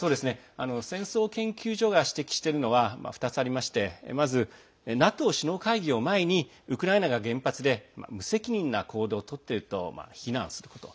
戦争研究所が指摘しているのは２つありましてまずＮＡＴＯ首脳会議を前にウクライナが原発で無責任な行動をとっていると非難すること。